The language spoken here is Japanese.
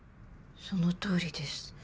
そのとおりです。